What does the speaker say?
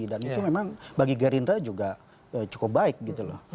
dan itu memang bagi gerindra juga cukup baik gitu loh